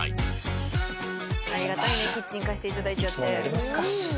ありがたいねキッチン貸していただいちゃって。